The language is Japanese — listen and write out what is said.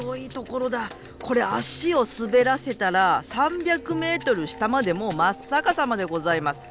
これ足を滑らせたら３００ｍ下までもう真っ逆さまでございます。